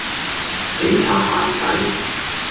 死擦鞋仔